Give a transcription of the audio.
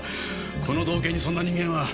この道警にそんな人間は。